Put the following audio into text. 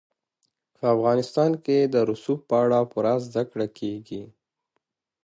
په افغانستان کې د رسوب په اړه پوره زده کړه کېږي.